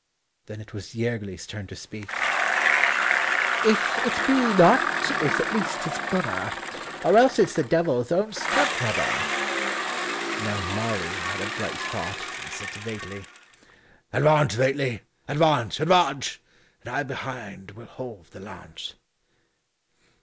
Then it was Jergli's turn to speak, "If it be not, it's at least his mother, Or else it's the Devil's own step brother." And now Marli had a bright thought, and said to Veitli, "Advance, Veitli, advance, advance, And I behind will hold the lance."